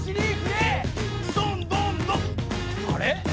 あれ？